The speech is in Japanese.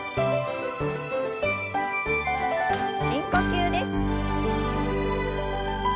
深呼吸です。